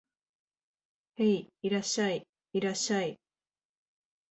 へい、いらっしゃい、いらっしゃい